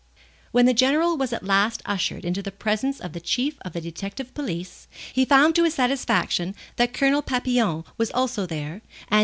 When the General was at last ushered into the presence of the Chief of the Detective Police, he found to his satisfaction that Colonel Papillon was also there, and at M.